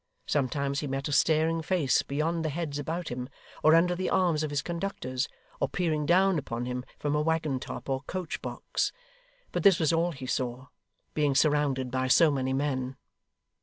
Sometimes he met a staring face beyond the heads about him, or under the arms of his conductors, or peering down upon him from a waggon top or coach box; but this was all he saw, being surrounded by so many men.